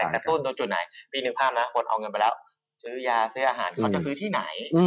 กระตุ้นตรงจุดไหนพี่นึกภาพนะคนเอาเงินไปแล้วซื้อยาซื้ออาหารเขาจะซื้อที่ไหน